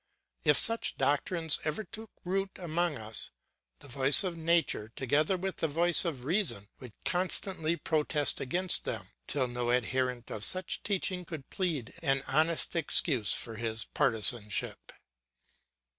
If such doctrines ever took root among us, the voice of nature, together with the voice of reason, would constantly protest against them, till no adherent of such teaching could plead an honest excuse for his partisanship.